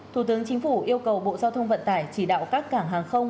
thủ tướng chính phủ yêu cầu bộ giao thông vận tải chỉ đạo các cảng hàng không